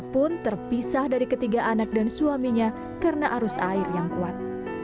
pun terpisah dari ketiga anak dan suaminya karena arus air yang kuat